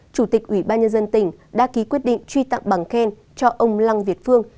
chủ tịch ủy ban nhân dân tỉnh đã ký quyết định truy tặng bằng khen cho ông lăng việt phương